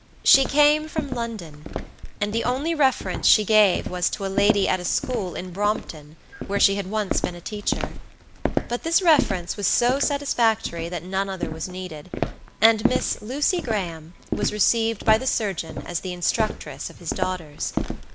She came from London; and the only reference she gave was to a lady at a school at Brompton, where she had once been a teacher. But this reference was so satisfactory that none other was needed, and Miss Lucy Graham was received by the surgeon as the instructress of his daughters.